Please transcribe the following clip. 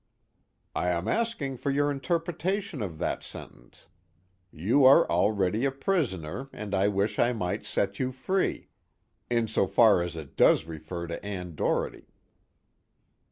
"I am asking for your interpretation of that sentence: 'You are already a prisoner, and I wish I might set you free' insofar as it does refer to Ann Doherty."